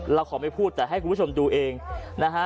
เราขอไม่พูดแต่ให้คุณผู้ชมดูเองนะฮะ